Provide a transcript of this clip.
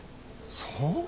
そう？